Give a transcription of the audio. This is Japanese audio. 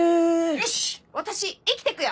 よし私生きてくよ。